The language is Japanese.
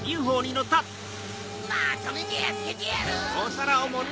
まとめてやっつけてやる！